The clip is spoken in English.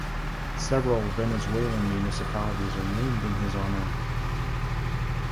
Several Venezuelan municipalities are named in his honor.